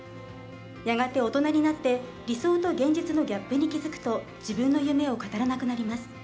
やがて大人になって理想と現実のギャップに気付くと自分の夢を語らなくなります。